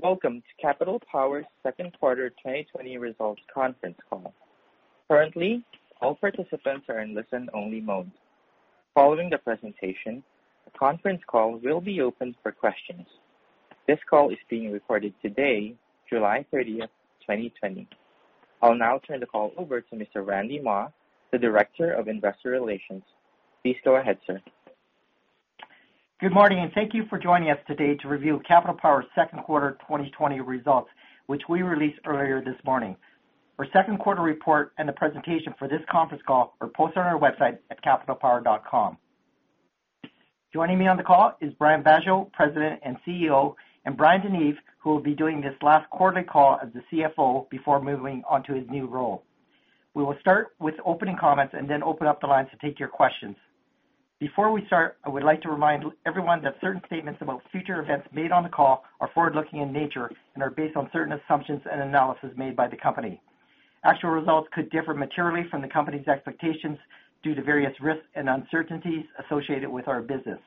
Welcome to Capital Power's second quarter 2020 results conference call. Currently, all participants are in listen-only mode. Following the presentation, the conference call will be open for questions. This call is being recorded today, July 30th, 2020. I'll now turn the call over to Mr. Randy Mah, the Director of Investor Relations. Please go ahead, sir. Good morning, thank you for joining us today to review Capital Power's second quarter 2020 results, which we released earlier this morning. Our second quarter report and the presentation for this conference call are posted on our website at capitalpower.com. Joining me on the call is Brian Vaasjo, President and CEO, and Bryan DeNeve, who will be doing this last quarterly call as the CFO before moving on to his new role. We will start with opening comments and then open up the lines to take your questions. Before we start, I would like to remind everyone that certain statements about future events made on the call are forward-looking in nature and are based on certain assumptions and analysis made by the company. Actual results could differ materially from the company's expectations due to various risks and uncertainties associated with our business.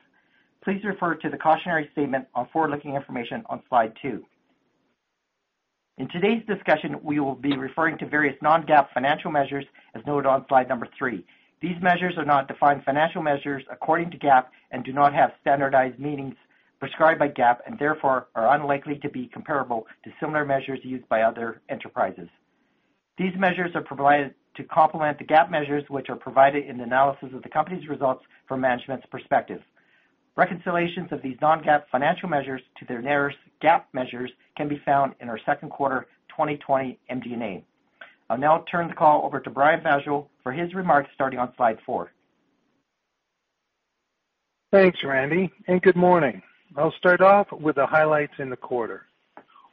Please refer to the cautionary statement on forward-looking information on Slide two. In today's discussion, we will be referring to various non-GAAP financial measures, as noted on slide number three. These measures are not defined financial measures according to GAAP and do not have standardized meanings prescribed by GAAP and therefore are unlikely to be comparable to similar measures used by other enterprises. These measures are provided to complement the GAAP measures which are provided in the analysis of the company's results from management's perspective. Reconciliations of these non-GAAP financial measures to their nearest GAAP measures can be found in our second quarter 2020 MD&A. I'll now turn the call over to Brian Vaasjo for his remarks, starting on Slide four. Thanks, Randy, and good morning. I'll start off with the highlights in the quarter.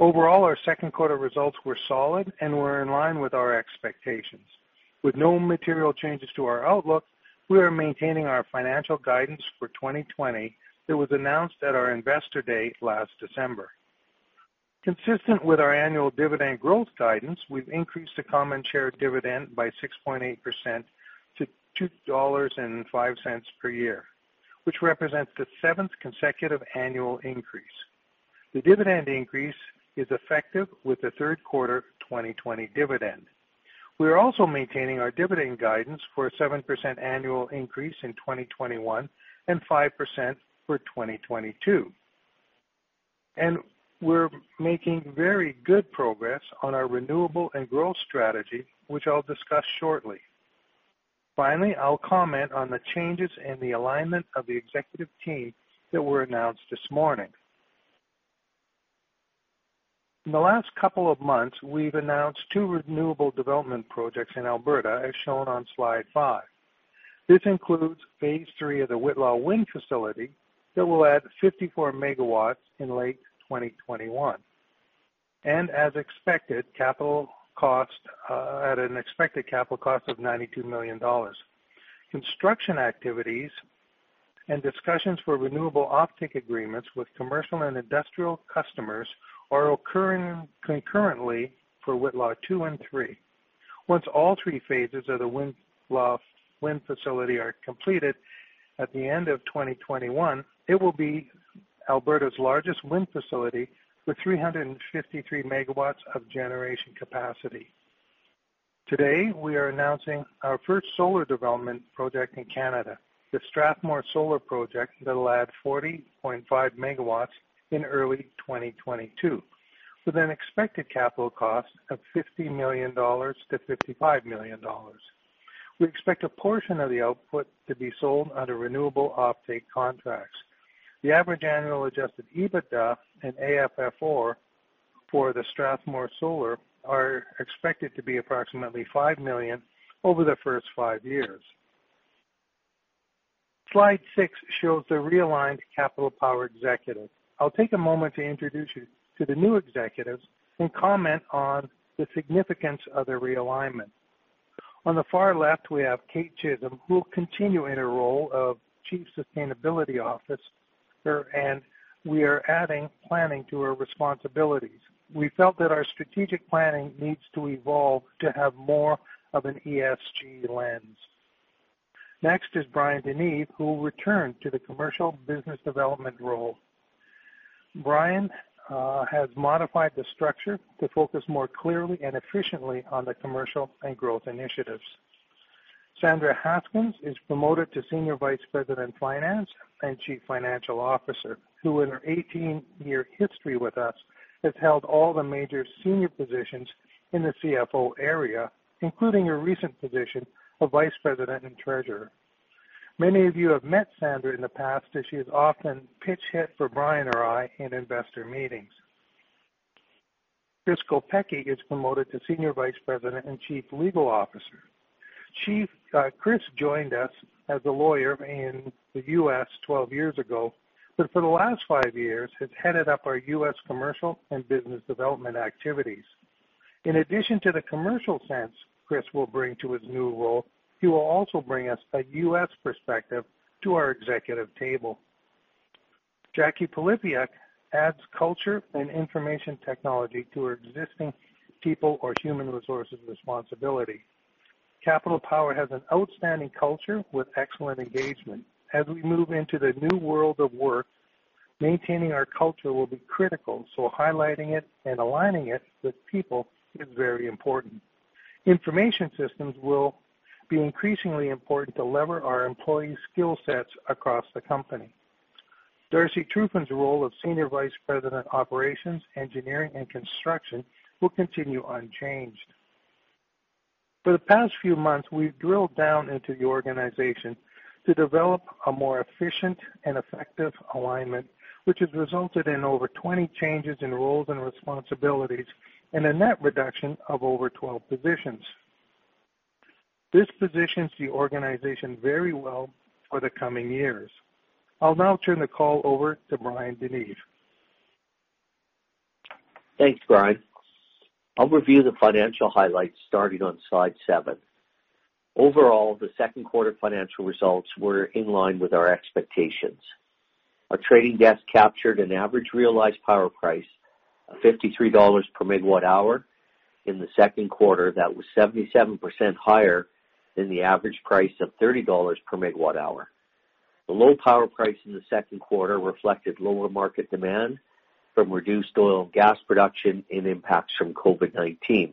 Overall, our second quarter results were solid and were in line with our expectations. With no material changes to our outlook, we are maintaining our financial guidance for 2020 that was announced at our investor day last December. Consistent with our annual dividend growth guidance, we've increased the common share dividend by 6.8% to 2.05 dollars per year, which represents the seventh consecutive annual increase. The dividend increase is effective with the third quarter 2020 dividend. We are also maintaining our dividend guidance for a 7% annual increase in 2021 and 5% for 2022. We're making very good progress on our renewable and growth strategy, which I'll discuss shortly. Finally, I'll comment on the changes in the alignment of the executive team that were announced this morning. In the last couple of months, we've announced two renewable development projects in Alberta, as shown on Slide five. This includes phase III of the Whitla Wind facility that will add 54 MW in late 2021. As expected, at an expected capital cost of 92 million dollars. Construction activities and discussions for renewable off-take agreements with commercial and industrial customers are occurring concurrently for Whitla 2 and Whitla 3. Once all three phases of the Whitla Wind facility are completed at the end of 2021, it will be Alberta's largest wind facility with 353 MW of generation capacity. Today, we are announcing our first solar development project in Canada, the Strathmore Solar Project, that'll add 40.5 MW in early 2022 with an expected capital cost of 50 million-55 million dollars. We expect a portion of the output to be sold under renewable off-take contracts. The average annual adjusted EBITDA and AFFO for the Strathmore Solar are expected to be approximately 5 million over the first five years. Slide six shows the realigned Capital Power executives. I'll take a moment to introduce you to the new executives and comment on the significance of the realignment. On the far left, we have Kate Chisholm, who will continue in her role of Chief Sustainability Officer. We are adding planning to her responsibilities. We felt that our strategic planning needs to evolve to have more of an ESG lens. Next is Bryan DeNeve, who will return to the commercial business development role. Bryan has modified the structure to focus more clearly and efficiently on the commercial and growth initiatives. Sandra Haskins is promoted to Senior Vice President, Finance and Chief Financial Officer, who in her 18-year history with us, has held all the major senior positions in the CFO area, including her recent position of Vice President and Treasurer. Many of you have met Sandra in the past as she has often pitch-hit for Bryan or I in investor meetings. Chris Kopecky is promoted to Senior Vice President and Chief Legal Officer. Chris joined us as a lawyer in the U.S. 12 years ago, but for the last five years has headed up our U.S. commercial and business development activities. In addition to the commercial sense Chris will bring to his new role, he will also bring us a U.S. perspective to our executive table. Jackie Pylypiuk adds culture and information technology to her existing people or human resources responsibility. Capital Power has an outstanding culture with excellent engagement. As we move into the new world of work, maintaining our culture will be critical, so highlighting it and aligning it with people is very important. Information systems will be increasingly important to lever our employee skill sets across the company. Darcy Trufyn's role as Senior Vice President Operations, Engineering, and Construction will continue unchanged. For the past few months, we've drilled down into the organization to develop a more efficient and effective alignment, which has resulted in over 20 changes in roles and responsibilities and a net reduction of over 12 positions. This positions the organization very well for the coming years. I'll now turn the call over to Bryan DeNeve. Thanks, Brian. I'll review the financial highlights starting on slide seven. Overall, the second quarter financial results were in line with our expectations. Our trading desk captured an average realized power price of 53 dollars per megawatt hour. In the second quarter, that was 77% higher than the average price of 30 dollars per megawatt hour. The low power price in the second quarter reflected lower market demand from reduced oil and gas production and impacts from COVID-19,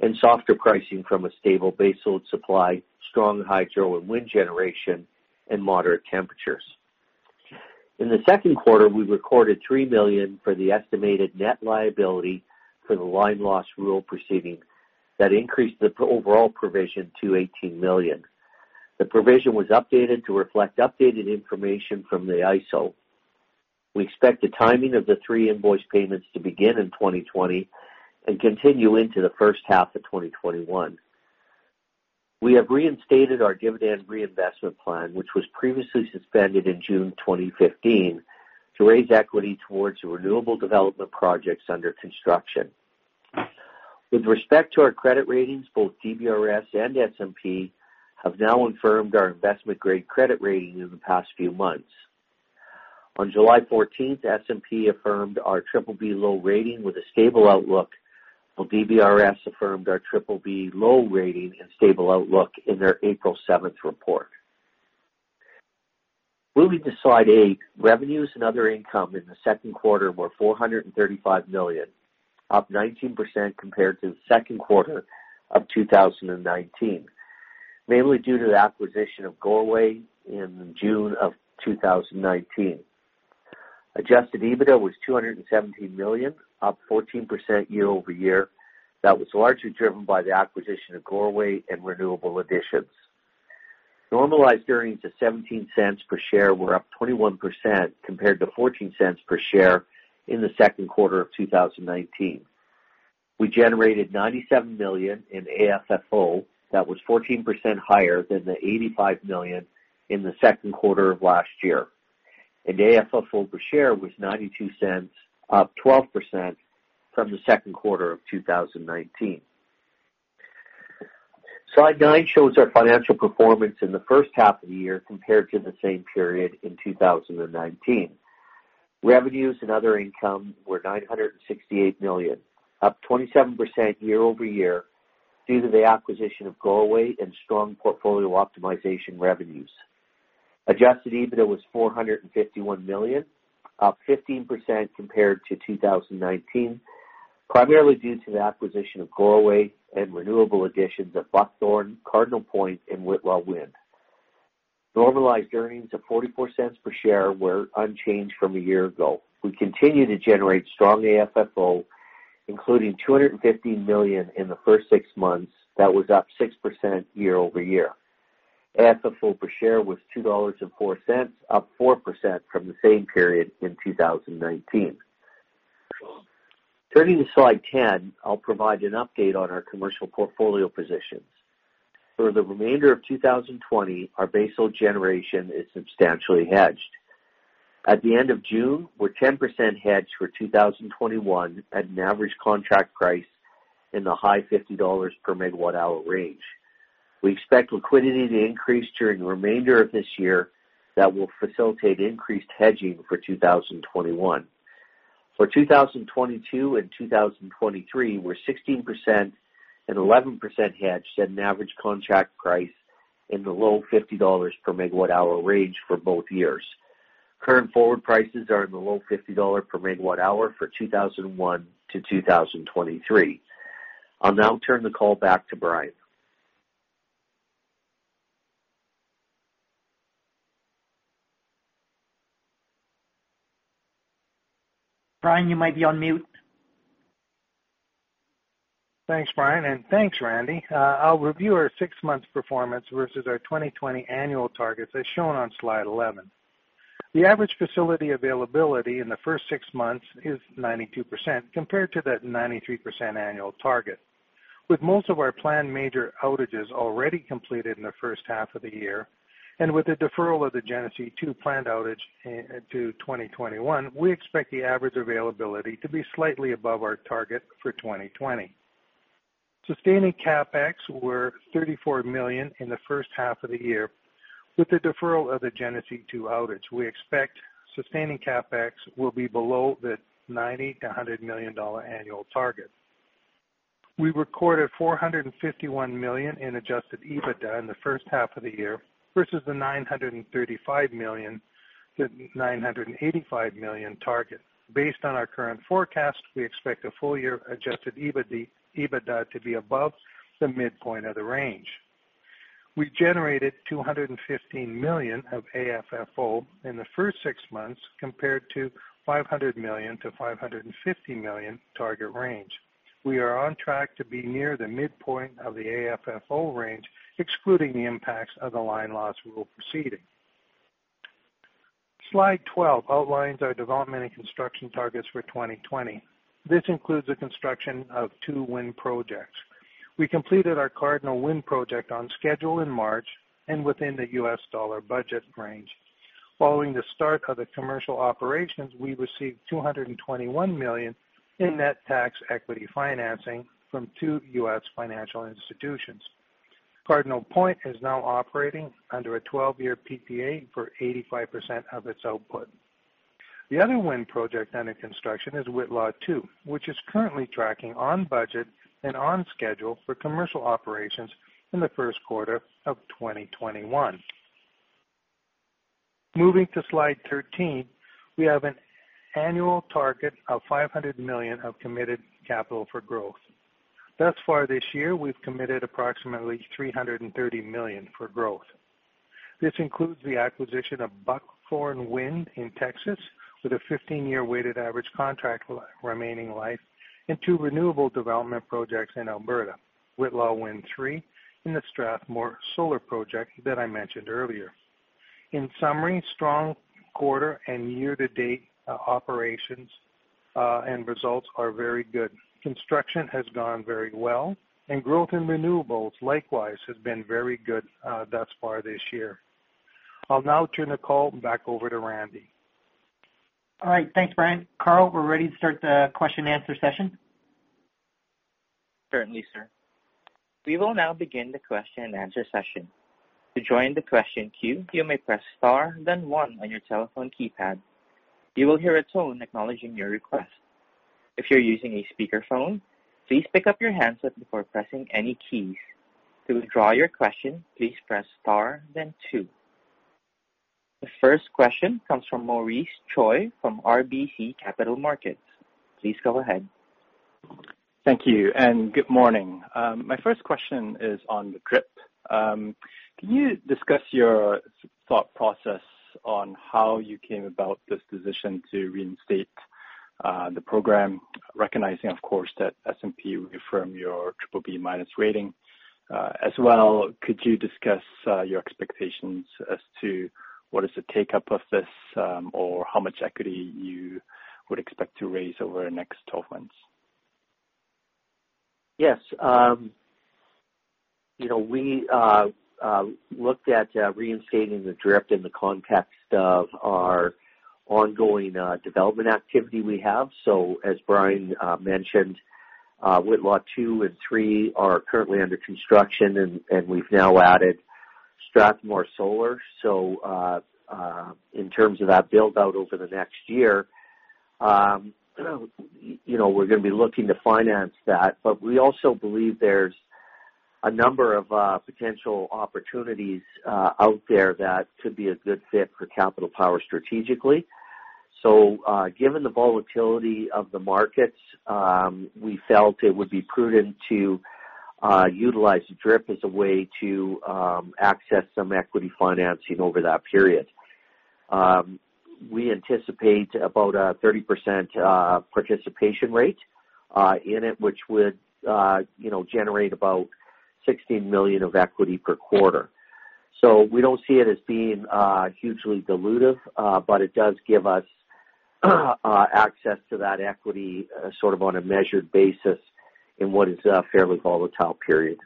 and softer pricing from a stable baseload supply, strong hydro and wind generation, and moderate temperatures. In the second quarter, we recorded 3 million for the estimated net liability for the line loss rule proceeding. That increased the overall provision to 18 million. The provision was updated to reflect updated information from the ISO. We expect the timing of the three invoice payments to begin in 2020 and continue into the first half of 2021. We have reinstated our dividend reinvestment plan, which was previously suspended in June 2015, to raise equity towards the renewable development projects under construction. With respect to our credit ratings, both DBRS and S&P have now affirmed our investment-grade credit rating in the past few months. On July 14th, S&P affirmed our BBB- rating with a stable outlook, while DBRS affirmed our BBB (low) rating and stable outlook in their April 7th report. Moving to slide eight, revenues and other income in the second quarter were 435 million, up 19% compared to the second quarter of 2019, mainly due to the acquisition of Goreway in June of 2019. Adjusted EBITDA was 217 million, up 14% year-over-year. That was largely driven by the acquisition of Goreway and renewable additions. Normalized earnings of 0.17 per share were up 21% compared to 0.14 per share in the second quarter of 2019. We generated 97 million in AFFO. That was 14% higher than the 85 million in the second quarter of last year. AFFO per share was 0.92, up 12% from the second quarter of 2019. Slide nine shows our financial performance in the first half of the year compared to the same period in 2019. Revenues and other income were 968 million, up 27% year-over-year due to the acquisition of Goreway and strong portfolio optimization revenues. Adjusted EBITDA was 451 million, up 15% compared to 2019, primarily due to the acquisition of Goreway and renewable additions at Buckthorn, Cardinal Point, and Whitla Wind. Normalized earnings of 0.44 per share were unchanged from a year ago. We continue to generate strong AFFO, including 215 million in the first six months. That was up 6% year-over-year. AFFO per share was 2.04 dollars, up 4% from the same period in 2019. Turning to slide 10, I'll provide an update on our commercial portfolio positions. For the remainder of 2020, our baseload generation is substantially hedged. At the end of June, we're 10% hedged for 2021 at an average contract price in the high 50 dollars per megawatt hour range. We expect liquidity to increase during the remainder of this year. That will facilitate increased hedging for 2021. For 2022 and 2023, we're 16% and 11% hedged at an average contract price in the low 50 dollars per megawatt hour range for both years. Current forward prices are in the low 50 dollar per megawatt hour for 2021-2023. I'll now turn the call back to Brian. Brian, you might be on mute. Thanks, Bryan, and thanks, Randy. I'll review our six-month performance versus our 2020 annual targets as shown on slide 11. The average facility availability in the first six months is 92%, compared to that 93% annual target. With most of our planned major outages already completed in the first half of the year, and with the deferral of the Genesee 2 plant outage to 2021, we expect the average availability to be slightly above our target for 2020. Sustaining CapEx were 34 million in the first half of the year. With the deferral of the Genesee 2 outage, we expect sustaining CapEx will be below the 90 million-100 million dollar annual target. We recorded 451 million in adjusted EBITDA in the first half of the year versus the 935 million-985 million target. Based on our current forecast, we expect a full-year adjusted EBITDA to be above the midpoint of the range. We generated 215 million of AFFO in the first six months, compared to 500 million-550 million target range. We are on track to be near the midpoint of the AFFO range, excluding the impacts of the line loss rule proceeding. Slide 12 outlines our development and construction targets for 2020. This includes the construction of two wind projects. We completed our Cardinal Point Wind project on schedule in March and within the USD budget range. Following the start of the commercial operations, we received 221 million in net tax equity financing from two U.S. financial institutions. Cardinal Point is now operating under a 12-year PPA for 85% of its output. The other wind project under construction is Whitla 2, which is currently tracking on budget and on schedule for commercial operations in the first quarter of 2021. Moving to slide 13, we have an annual target of 500 million of committed capital for growth. Thus far this year, we've committed approximately 330 million for growth. This includes the acquisition of Buckthorn Wind in Texas with a 15-year weighted average contract remaining life and two renewable development projects in Alberta, Whitla Wind 3 and the Strathmore Solar project that I mentioned earlier. In summary, strong quarter and year-to-date operations and results are very good. Construction has gone very well, and growth in renewables likewise has been very good thus far this year. I'll now turn the call back over to Randy. All right. Thanks, Brian. Carl, we're ready to start the question-and-answer session. Certainly, sir. We will now begin the question-and-answer session. To join the question queue, you may press star then one on your telephone keypad. You will hear a tone acknowledging your request. If you're using a speakerphone, please pick up your handset before pressing any keys. To withdraw your question, please press star then two. The first question comes from Maurice Choy from RBC Capital Markets. Please go ahead. Thank you and good morning. My first question is on DRIP. Can you discuss your thought process on how you came about this decision to reinstate the program, recognizing, of course, that S&P will affirm your BBB- rating? As well, could you discuss your expectations as to what is the take-up of this, or how much equity you would expect to raise over the next 12 months? Yes. We looked at reinstating the DRIP in the context of our ongoing development activity we have. As Brian mentioned, Whitla 2 and Whitla 3 are currently under construction and we've now added Strathmore Solar. In terms of that build-out over the next year, we're going to be looking to finance that. We also believe there's a number of potential opportunities out there that could be a good fit for Capital Power strategically. Given the volatility of the markets, we felt it would be prudent to utilize DRIP as a way to access some equity financing over that period. We anticipate about a 30% participation rate in it, which would generate about 16 million of equity per quarter. We don't see it as being hugely dilutive, but it does give us access to that equity sort of on a measured basis in what is a fairly volatile period.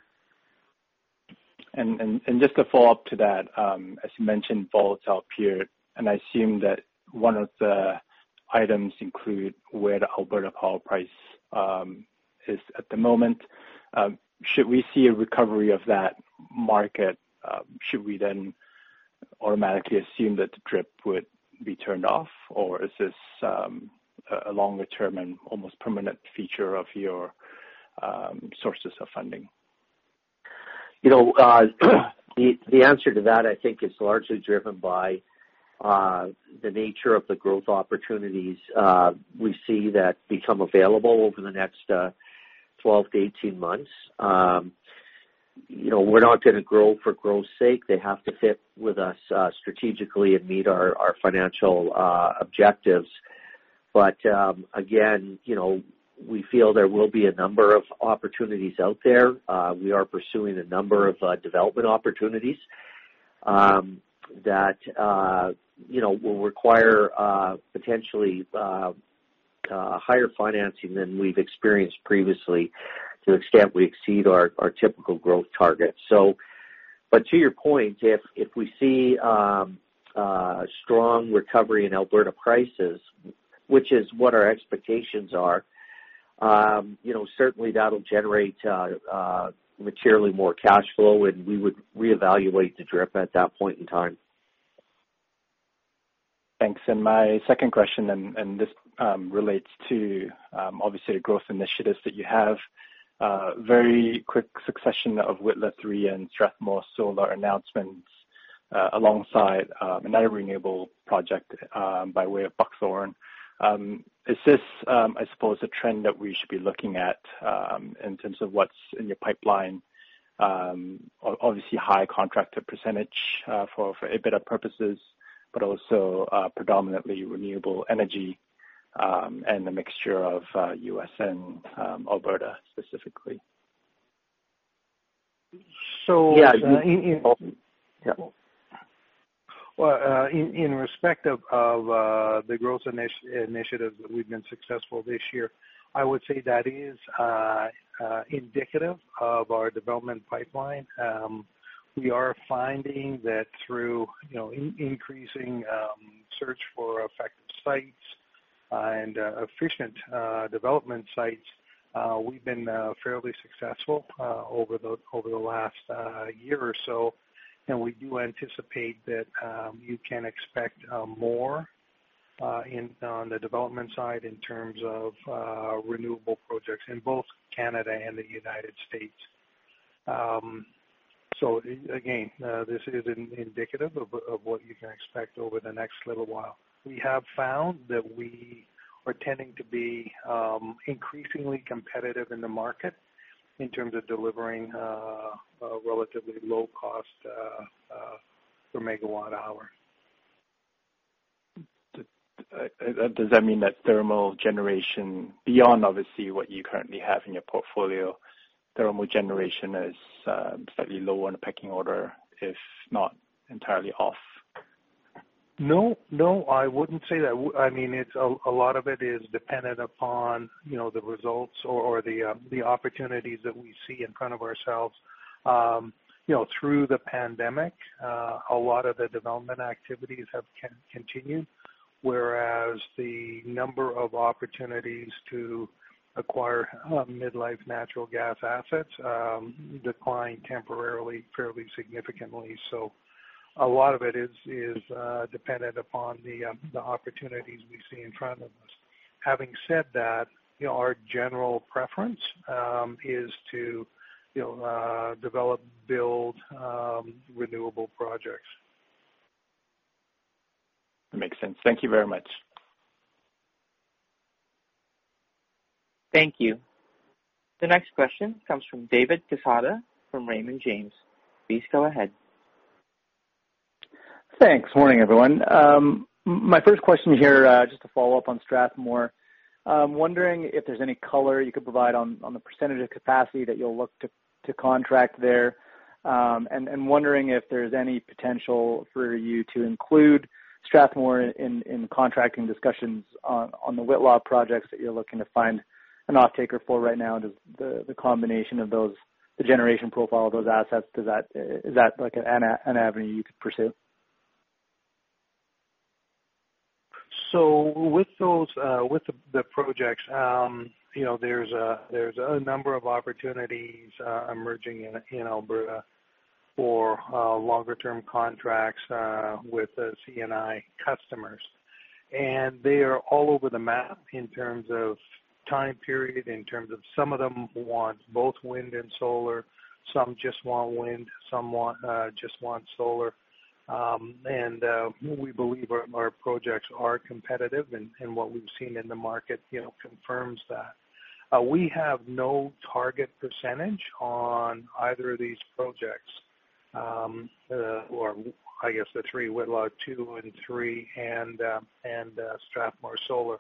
Just a follow-up to that, as you mentioned, volatile period, and I assume that one of the items include where the Alberta power price is at the moment. Should we see a recovery of that market, should we then automatically assume that the DRIP would be turned off? Is this a longer-term and almost permanent feature of your sources of funding? The answer to that, I think, is largely driven by the nature of the growth opportunities we see that become available over the next 12-18 months. We're not going to grow for growth's sake. They have to fit with us strategically and meet our financial objectives. Again, we feel there will be a number of opportunities out there. We are pursuing a number of development opportunities that will require potentially higher financing than we've experienced previously to the extent we exceed our typical growth target. To your point, if we see a strong recovery in Alberta prices, which is what our expectations are. Certainly that'll generate materially more cash flow, and we would reevaluate the DRIP at that point in time. Thanks. My second question, and this relates to, obviously, growth initiatives that you have. Very quick succession of Whitla 3 and Strathmore Solar announcements alongside another renewable project by way of Buckthorn. Is this, I suppose, a trend that we should be looking at in terms of what's in your pipeline? Obviously high contracted percentage for EBITDA purposes, but also predominantly renewable energy and the mixture of U.S. and Alberta specifically. So- Yeah. Well, in respect of the growth initiatives that we've been successful this year, I would say that is indicative of our development pipeline. We are finding that through increasing search for effective sites and efficient development sites, we've been fairly successful over the last year or so. We do anticipate that you can expect more on the development side in terms of renewable projects in both Canada and the United States. Again, this is indicative of what you can expect over the next little while. We have found that we are tending to be increasingly competitive in the market in terms of delivering a relatively low cost per megawatt hour. Does that mean that thermal generation, beyond obviously what you currently have in your portfolio, thermal generation is slightly lower in the pecking order, if not entirely off? No, I wouldn't say that. A lot of it is dependent upon the results or the opportunities that we see in front of ourselves. Through the pandemic, a lot of the development activities have continued, whereas the number of opportunities to acquire mid-life natural gas assets declined temporarily, fairly significantly. A lot of it is dependent upon the opportunities we see in front of us. Having said that, our general preference is to develop, build renewable projects. That makes sense. Thank you very much. Thank you. The next question comes from David Quezada from Raymond James. Please go ahead. Thanks. Morning, everyone. My first question here, just to follow up on Strathmore. I'm wondering if there's any color you could provide on the percentage of capacity that you'll look to contract there. Wondering if there's any potential for you to include Strathmore in contracting discussions on the Whitla projects that you're looking to find an offtaker for right now. The combination of the generation profile of those assets, is that an avenue you could pursue? With the projects, there's a number of opportunities emerging in Alberta for longer-term contracts with C&I customers. They are all over the map in terms of time period, in terms of some of them want both wind and solar, some just want wind, some just want solar. We believe our projects are competitive, and what we've seen in the market confirms that. We have no target percentage on either of these projects. I guess the three; Whitla 2 and Whitla 3, and Strathmore Solar.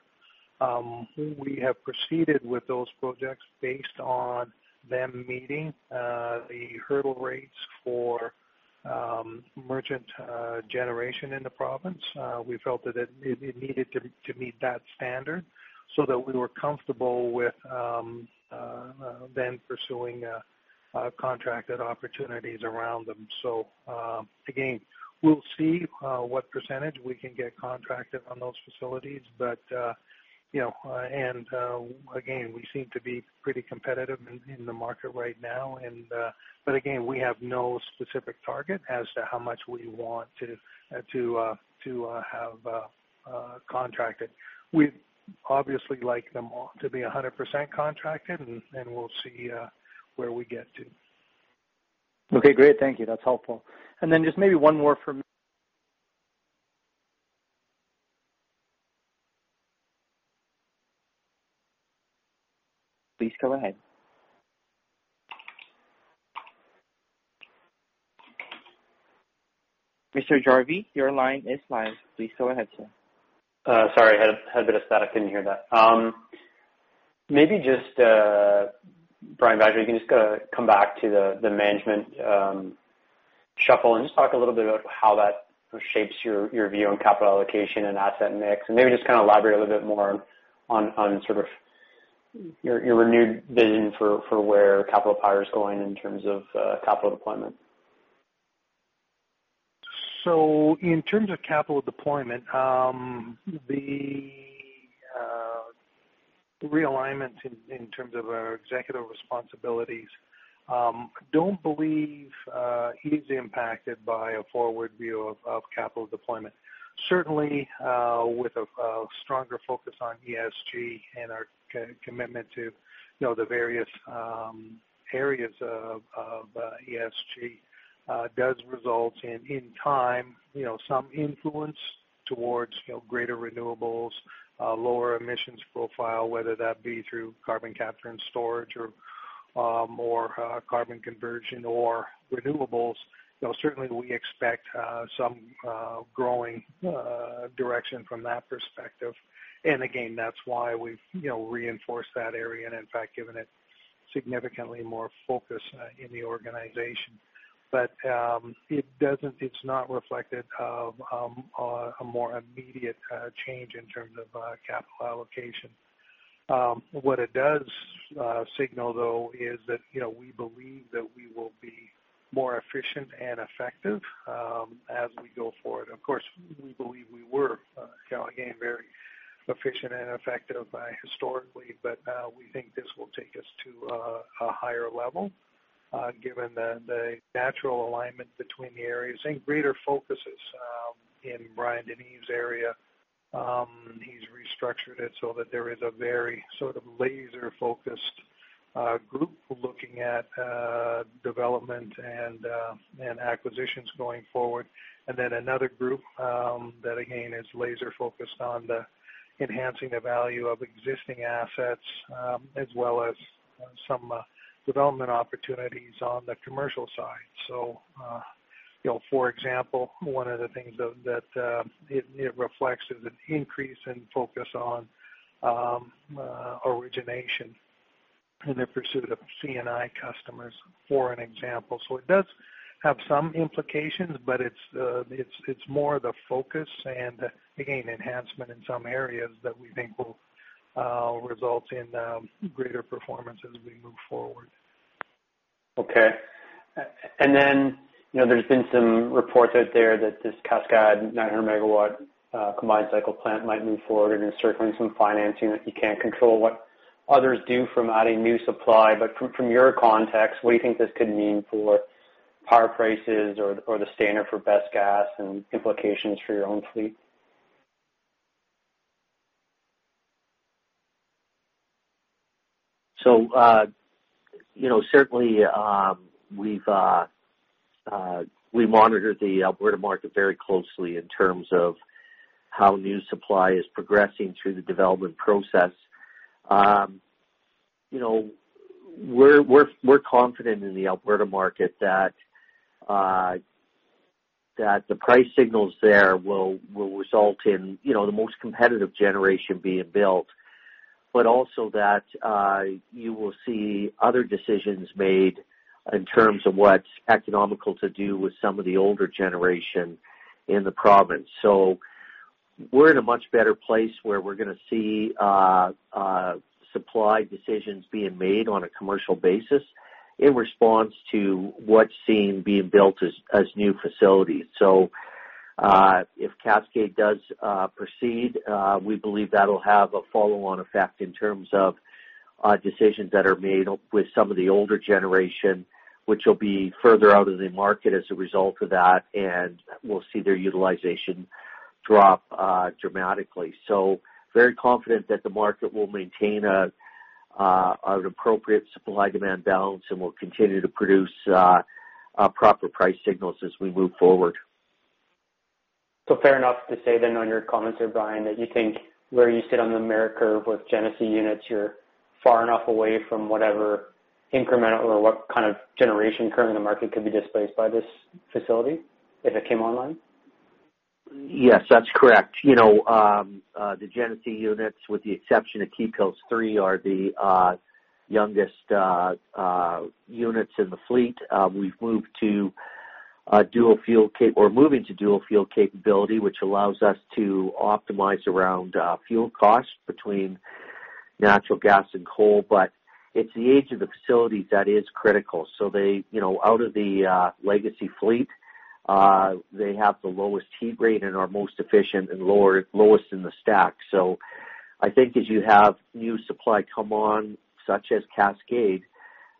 We have proceeded with those projects based on them meeting the hurdle rates for merchant generation in the province. We felt that it needed to meet that standard so that we were comfortable with then pursuing contracted opportunities around them. Again, we'll see what percentage we can get contracted on those facilities. Again, we seem to be pretty competitive in the market right now. Again, we have no specific target as to how much we want to have contracted. We'd obviously like them all to be 100% contracted, and we'll see where we get to. Okay, great. Thank you. That's helpful. Just maybe one more. Please go ahead. Mr. Jarvi, your line is live. Please go ahead, sir. Sorry, had a bit of static. Didn't hear that. Maybe just, Brian Vaasjo, you can just come back to the management shuffle and just talk a little bit about how that shapes your view on capital allocation and asset mix, and maybe just elaborate a little bit more on your renewed vision for where Capital Power is going in terms of capital deployment? In terms of capital deployment, the realignment in terms of our executive responsibilities, I don't believe he's impacted by a forward view of capital deployment. Certainly, with a stronger focus on ESG and our commitment to the various areas of ESG, does result in time, some influence towards greater renewables, lower emissions profile, whether that be through carbon capture and storage or more carbon conversion or renewables. Certainly, we expect some growing direction from that perspective. Again, that's why we've reinforced that area and, in fact, given it significantly more focus in the organization. It's not reflected on a more immediate change in terms of capital allocation. What it does signal, though, is that we believe that we will be more efficient and effective as we go forward. Of course, we believe we were, again, very efficient and effective historically. We think this will take us to a higher level, given the natural alignment between the areas and greater focuses in Bryan DeNeve's area. He's restructured it so that there is a very laser-focused group looking at development and acquisitions going forward. Another group that, again, is laser-focused on enhancing the value of existing assets as well as some development opportunities on the commercial side. For example, one of the things that it reflects is an increase in focus on origination in the pursuit of C&I customers, for an example. It does have some implications, but it's more the focus and, again, enhancement in some areas that we think will result in greater performance as we move forward. Okay. There's been some reports out there that this Cascade 900 MW combined cycle plant might move forward and you're certainly recognizing that you can't control what others do from adding new supply. From your context, what do you think this could mean for power prices or the standard for best gas and implications for your own fleet? Certainly, we monitor the Alberta market very closely in terms of how new supply is progressing through the development process. We're confident in the Alberta market that the price signals there will result in the most competitive generation being built, but also that you will see other decisions made in terms of what's economical to do with some of the older generation in the province. We're in a much better place where we're going to see supply decisions being made on a commercial basis in response to what's seen being built as new facilities. If Cascade does proceed, we believe that'll have a follow-on effect in terms of decisions that are made with some of the older generation, which will be further out of the market as a result of that, and we'll see their utilization drop dramatically. Very confident that the market will maintain an appropriate supply-demand balance and will continue to produce proper price signals as we move forward. Fair enough to say then on your comments there, Bryan, that you think where you sit on the merit curve with Genesee units, you're far enough away from whatever incremental or what kind of generation currently in the market could be displaced by this facility if it came online? Yes, that's correct. The Genesee units, with the exception of Keephills 3, are the youngest units in the fleet. We're moving to dual-fuel capability, which allows us to optimize around fuel costs between natural gas and coal. It's the age of the facilities that is critical. Out of the legacy fleet, they have the lowest heat rate and are most efficient and lowest in the stack. I think as you have new supply come on, such as Cascade,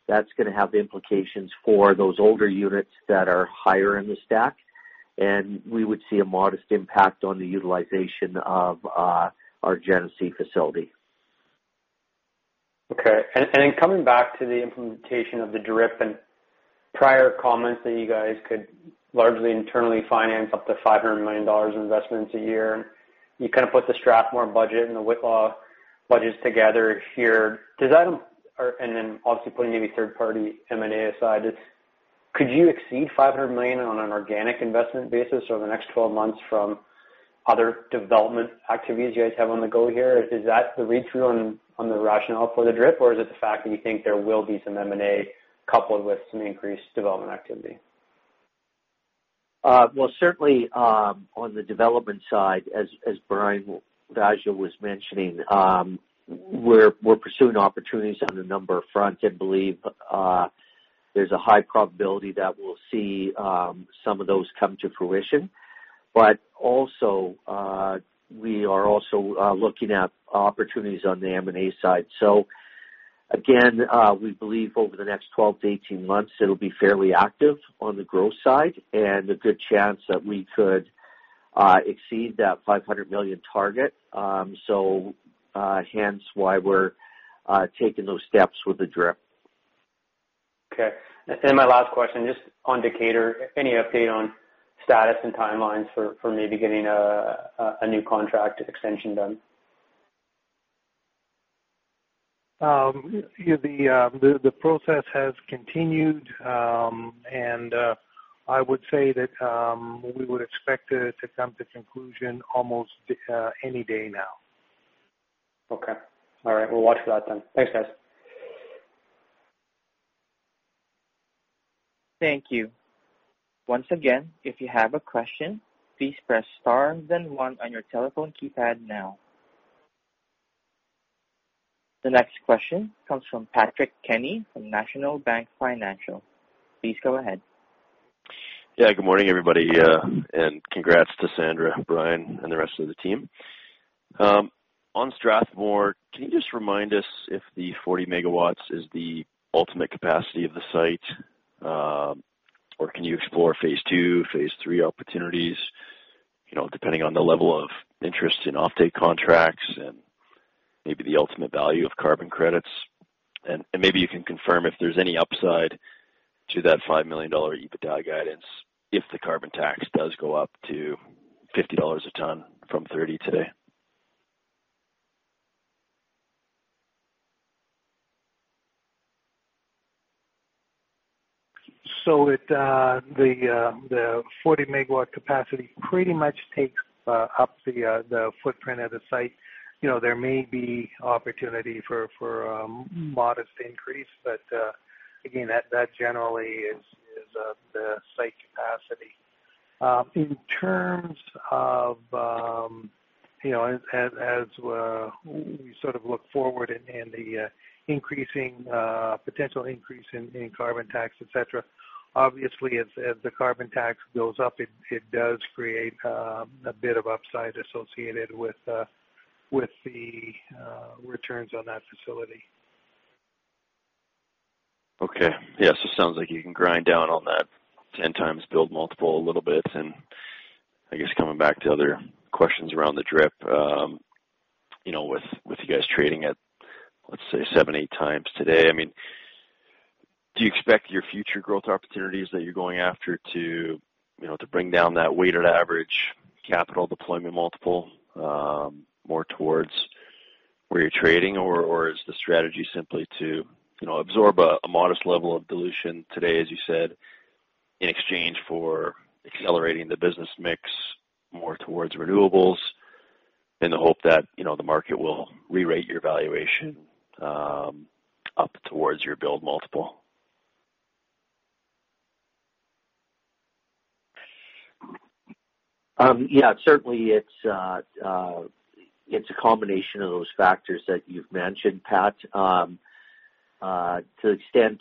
that's going to have implications for those older units that are higher in the stack. We would see a modest impact on the utilization of our Genesee facility. Coming back to the implementation of the DRIP and prior comments that you guys could largely internally finance up to 500 million dollars in investments a year. You kind of put the Strathmore budget and the Whitla budgets together here. Obviously putting maybe third-party M&A aside, could you exceed 500 million on an organic investment basis over the next 12 months from other development activities you guys have on the go here? Is that the read-through on the rationale for the DRIP? Or is it the fact that you think there will be some M&A coupled with some increased development activity? Well, certainly, on the development side, as Brian Vaasjo was mentioning, we're pursuing opportunities on a number of fronts and believe there's a high probability that we'll see some of those come to fruition. We are also looking at opportunities on the M&A side. Again, we believe over the next 12-18 months, it'll be fairly active on the growth side and a good chance that we could exceed that 500 million target. Hence why we're taking those steps with the DRIP. Okay. Then my last question, just on Decatur, any update on status and timelines for maybe getting a new contract extension done? The process has continued. I would say that we would expect it to come to conclusion almost any day now. Okay. All right. We'll watch for that then. Thanks, guys. Thank you. Once again, if you have a question, please press star then one on your telephone keypad now. The next question comes from Patrick Kenny from National Bank Financial. Please go ahead. Yeah, good morning, everybody. Congrats to Sandra, Brian, and the rest of the team. On Strathmore Solar, can you just remind us if the 40 MW is the ultimate capacity of the site? Can you explore phase II, phase III opportunities, depending on the level of interest in off-take contracts and maybe the ultimate value of carbon credits? Maybe you can confirm if there's any upside to that 5 million dollar EBITDA guidance if the carbon tax does go up to 50 dollars a ton from 30 today. The 40 MW capacity pretty much takes up the footprint of the site. There may be opportunity for a modest increase. Again, that generally is the site capacity. In terms of as we sort of look forward and the potential increase in carbon tax, et cetera, obviously, as the carbon tax goes up, it does create a bit of upside associated with the returns on that facility. Okay. Yeah. Sounds like you can grind down on that 10x build multiple a little bit. I guess coming back to other questions around the DRIP, with you guys trading at, let's say, 7x, 8x today, I mean, do you expect your future growth opportunities that you're going after to bring down that weighted average capital deployment multiple more towards where you're trading? Is the strategy simply to absorb a modest level of dilution today, as you said, in exchange for accelerating the business mix more towards renewables in the hope that the market will re-rate your valuation up towards your build multiple? Yeah. Certainly, it's a combination of those factors that you've mentioned, Pat. To extent,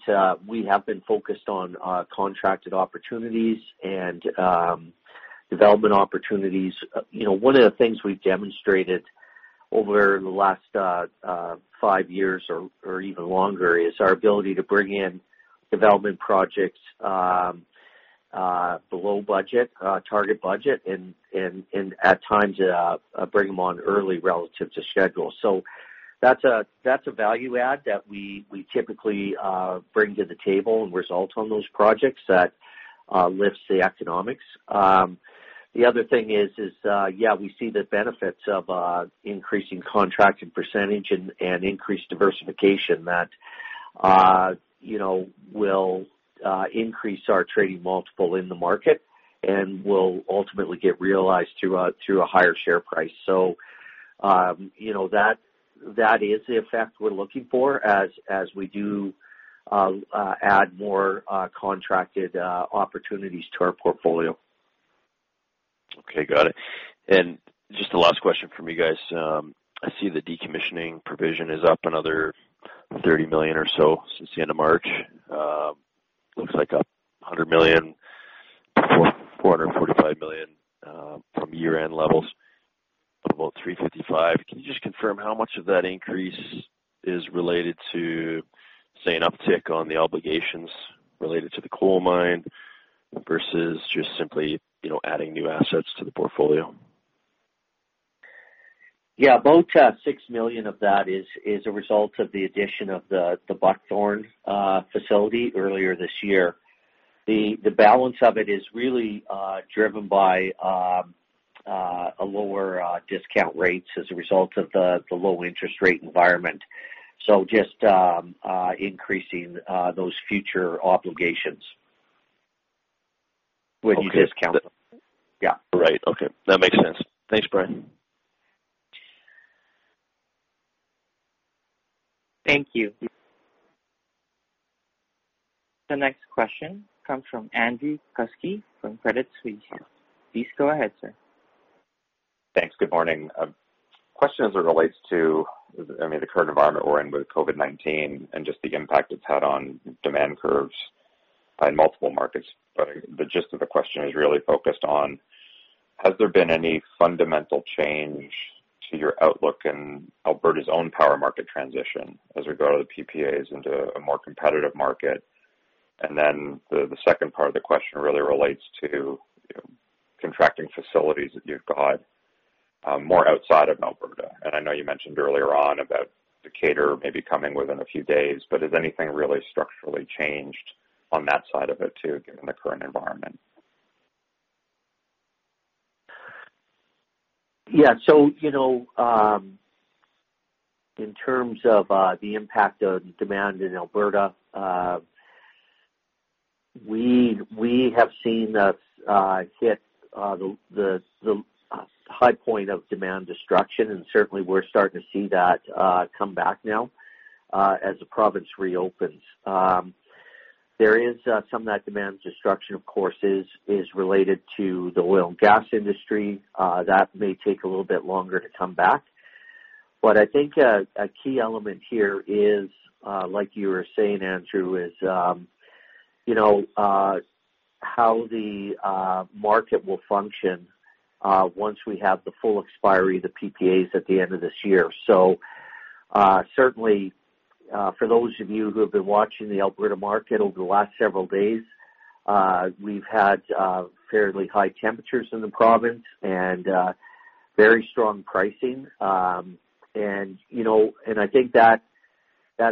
we have been focused on contracted opportunities and development opportunities. One of the things we've demonstrated over the last five years or even longer is our ability to bring in development projects below target budget and at times, bring them on early relative to schedule. That's a value add that we typically bring to the table and result on those projects that lifts the economics. The other thing is, yeah, we see the benefits of increasing contracted percentage and increased diversification that will increase our trading multiple in the market and will ultimately get realized through a higher share price. That is the effect we're looking for as we do add more contracted opportunities to our portfolio. Okay, got it. Just the last question from you guys. I see the decommissioning provision is up another 30 million or so since the end of March. Looks like 100 million-445 million from year-end levels to about 355. Can you just confirm how much of that increase is related to, say, an uptick on the obligations related to the coal mine versus just simply adding new assets to the portfolio? About 6 million of that is a result of the addition of the Buckthorn facility earlier this year. The balance of it is really driven by lower discount rates as a result of the low interest rate environment. Just increasing those future obligations when you discount them. Right. Okay. That makes sense. Thanks, Bryan. Thank you. The next question comes from Andrew Kuske from Credit Suisse. Please go ahead, sir. Thanks. Good morning. Question as it relates to the current environment we're in with COVID-19 and just the impact it's had on demand curves in multiple markets. The gist of the question is really focused on, has there been any fundamental change to your outlook in Alberta's own power market transition as we go to the PPAs into a more competitive market? The second part of the question really relates to contracting facilities that you've got more outside of Alberta. I know you mentioned earlier on about Decatur maybe coming within a few days, but has anything really structurally changed on that side of it too, given the current environment? Yeah. In terms of the impact of demand in Alberta, we have seen us hit the high point of demand destruction, and certainly we're starting to see that come back now as the province reopens. Some of that demand destruction, of course, is related to the oil and gas industry. That may take a little bit longer to come back. I think a key element here is, like you were saying, Andrew, is how the market will function once we have the full expiry of the PPAs at the end of this year. Certainly, for those of you who have been watching the Alberta market over the last several days, we've had fairly high temperatures in the province and very strong pricing. I think that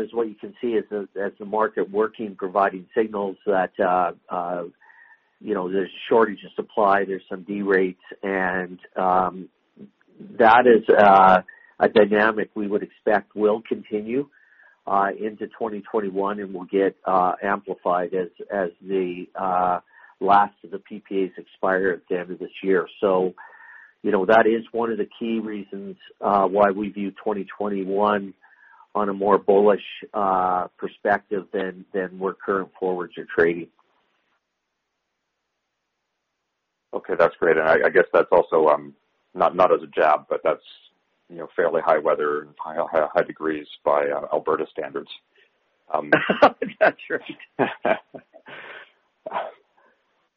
is what you can see as the market working, providing signals that there's a shortage of supply, there's some derates. That is a dynamic we would expect will continue into 2021 and will get amplified as the last of the PPAs expire at the end of this year. That is one of the key reasons why we view 2021 on a more bullish perspective than our current forwards or trading. Okay, that's great. I guess that's also, not as a jab, but that's fairly high weather and high degrees by Alberta standards. That's right.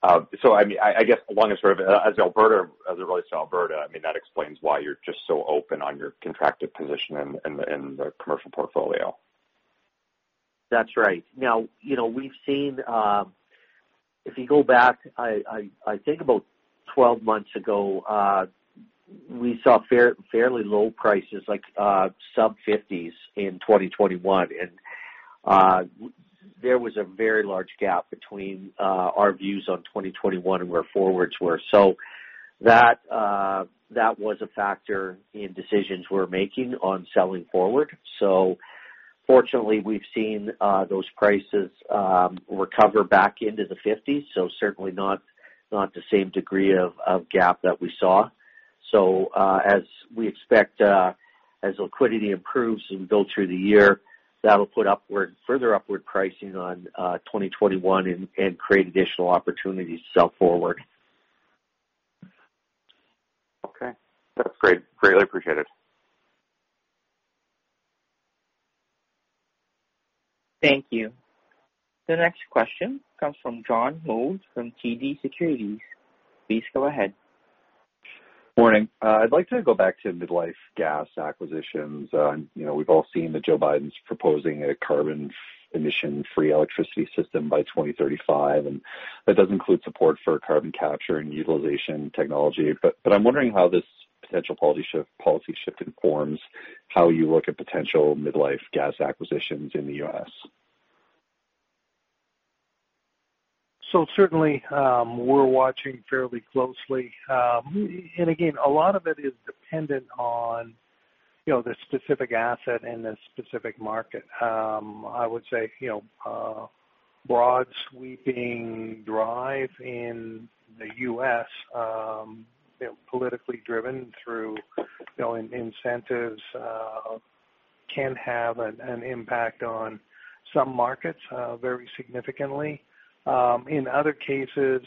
I guess as it relates to Alberta, that explains why you're just so open on your contracted position in the commercial portfolio. That's right. We've seen, if you go back, I think about 12 months ago, we saw fairly low prices, like sub-CAD 50s in 2021. There was a very large gap between our views on 2021 and where forwards were. That was a factor in decisions we were making on selling forward. Fortunately, we've seen those prices recover back into the CAD 50s, so certainly not the same degree of gap that we saw. As we expect, as liquidity improves as we go through the year, that'll put further upward pricing on 2021 and create additional opportunities to sell forward. Okay. That's great. Greatly appreciated. Thank you. The next question comes from John Holmes from TD Securities. Please go ahead. Morning. I'd like to go back to mid-life gas acquisitions. We've all seen that Joe Biden's proposing a carbon emission-free electricity system by 2035, and that does include support for carbon capture and utilization technology. I'm wondering how this potential policy shift informs how you look at potential mid-life gas acquisitions in the U.S. Certainly, we're watching fairly closely. Again, a lot of it is dependent on the specific asset and the specific market. I would say broad sweeping drive in the U.S., politically driven through incentives, can have an impact on some markets very significantly. In other cases,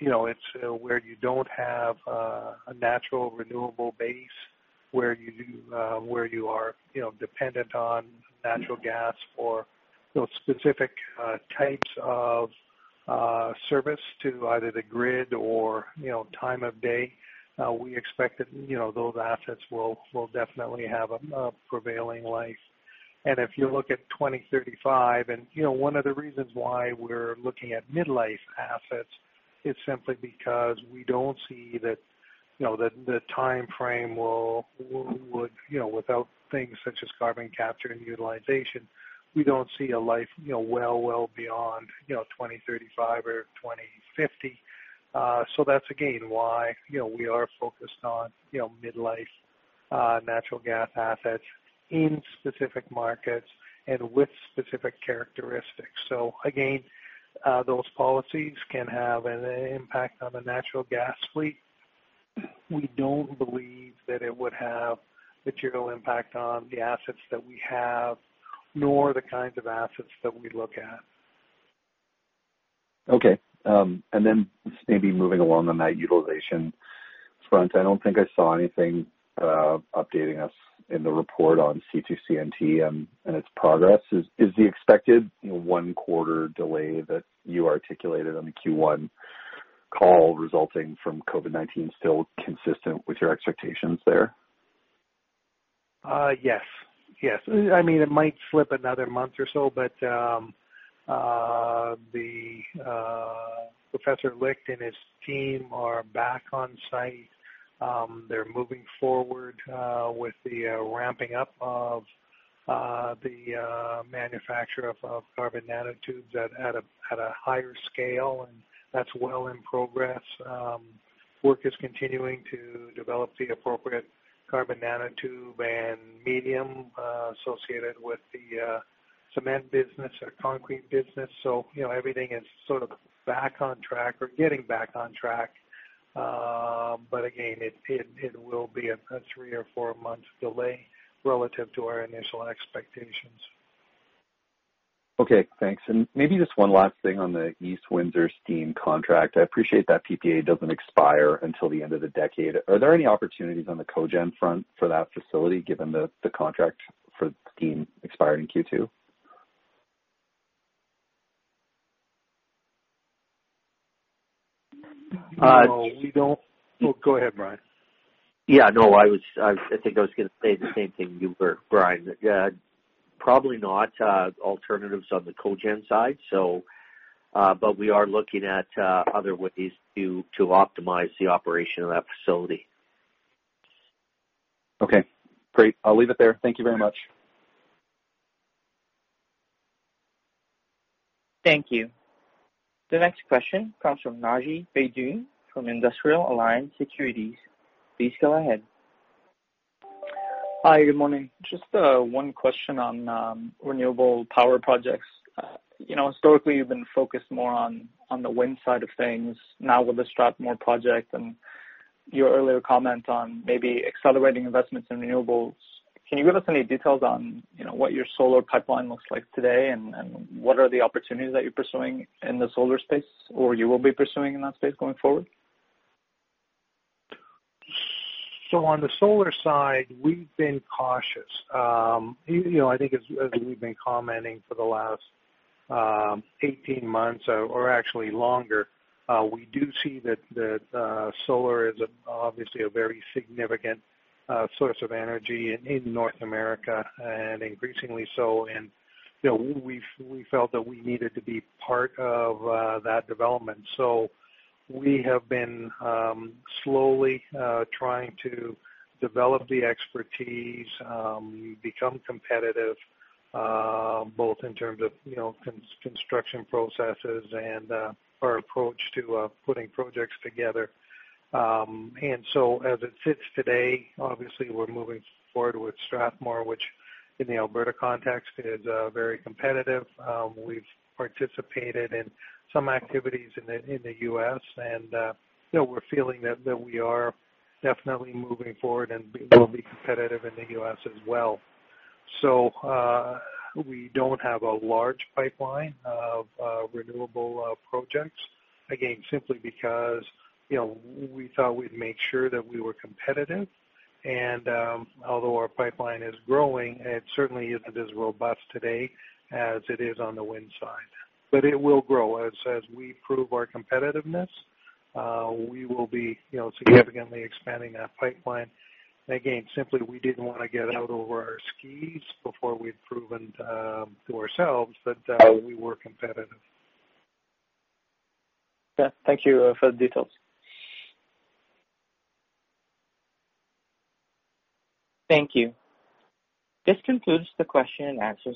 it's where you don't have a natural renewable base where you are dependent on natural gas or specific types of service to either the grid or time of day. We expect that those assets will definitely have a prevailing life. If you look at 2035, and one of the reasons why we're looking at mid-life assets is simply because we don't see that the timeframe without things such as carbon capture and utilization, we don't see a life well beyond 2035 or 2050. That's, again, why we are focused on mid-life natural gas assets in specific markets and with specific characteristics. Again, those policies can have an impact on the natural gas fleet. We don't believe that it would have material impact on the assets that we have, nor the kinds of assets that we look at. Okay. Just maybe moving along on that utilization front, I don't think I saw anything updating us in the report on C2CNT and its progress. Is the expected one-quarter delay that you articulated on the Q1 call resulting from COVID-19 still consistent with your expectations there? Yes. It might slip another month or so, but Professor Licht and his team are back on site. They're moving forward with the ramping up of the manufacture of carbon nanotubes at a higher scale, and that's well in progress. Work is continuing to develop the appropriate carbon nanotube and medium associated with the cement business or concrete business. Everything is sort of back on track or getting back on track. Again, it will be a three or four-month delay relative to our initial expectations. Okay, thanks. Maybe just one last thing on the East Windsor steam contract. I appreciate that PPA doesn't expire until the end of the decade. Are there any opportunities on the cogen front for that facility, given the contract for steam expired in Q2? No, we don't. Go ahead, Bryan. Yeah, no, I think I was going to say the same thing you were, Brian. Probably not alternatives on the cogen side. We are looking at other ways to optimize the operation of that facility. Okay, great. I'll leave it there. Thank you very much. Thank you. The next question comes from Naji Baydoun from Industrial Alliance Securities. Please go ahead. Hi, good morning. Just one question on renewable power projects. Historically, you've been focused more on the wind side of things. Now with the Strathmore project and your earlier comment on maybe accelerating investments in renewables, can you give us any details on what your solar pipeline looks like today, and what are the opportunities that you're pursuing in the solar space, or you will be pursuing in that space going forward? On the solar side, we've been cautious. I think as we've been commenting for the last 18 months or actually longer, we do see that solar is obviously a very significant source of energy in North America and increasingly so, and we felt that we needed to be part of that development. We have been slowly trying to develop the expertise, become competitive both in terms of construction processes and our approach to putting projects together. As it sits today, obviously we're moving forward with Strathmore, which in the Alberta context is very competitive. We've participated in some activities in the U.S. and we're feeling that we are definitely moving forward and being able to be competitive in the U.S. as well. We don't have a large pipeline of renewable projects. Again, simply because we thought we'd make sure that we were competitive. Although our pipeline is growing, it certainly isn't as robust today as it is on the wind side. It will grow. As we prove our competitiveness, we will be significantly expanding that pipeline. Again, simply we didn't want to get out over our skis before we'd proven to ourselves that we were competitive. Thank you for the details. Thank you. This concludes the question-and-answer session.